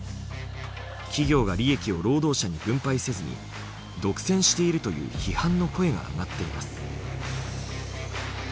企業が利益を労働者に分配せずに独占しているという批判の声が上がっています。